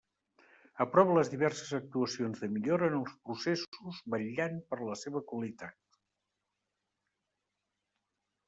Aprova les diverses actuacions de millora en els processos vetllant per la seva qualitat.